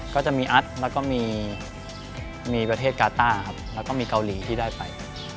ก็จะมีอัดแล้วก็มีประเทศกาต้าครับแล้วก็มีเกาหลีที่ได้ไป